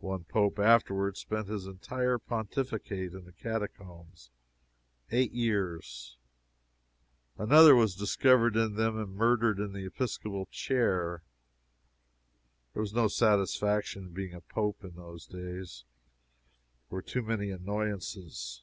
One Pope afterward spent his entire pontificate in the catacombs eight years. Another was discovered in them and murdered in the episcopal chair. There was no satisfaction in being a Pope in those days. There were too many annoyances.